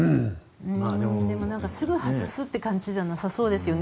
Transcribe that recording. すぐ外すって感じではなさそうですよね。